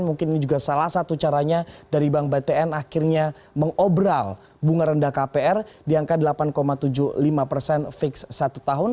mungkin ini juga salah satu caranya dari bank btn akhirnya mengobral bunga rendah kpr di angka delapan tujuh puluh lima persen fix satu tahun